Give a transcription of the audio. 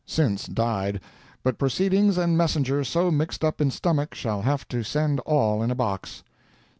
Since died, but proceedings and messenger so mixed up in stomach shall have to send all in a box.